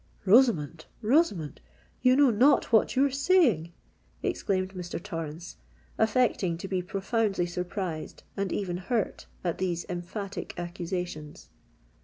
"Rosamond—Rosamond—you know not what you are saying!" exclaimed Mr. Torrens, affecting to be profoundly surprised and even hurt at these emphatic accusations.